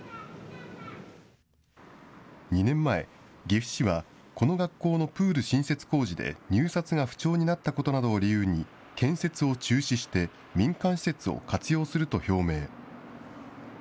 ２年前、岐阜市はこの学校のプール新設工事で入札が不調になったことなどを理由に、建設を中止して民間施設を活用すると表明。